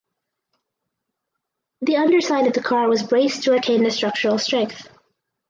The underside of the car was braced to retain the structural strength.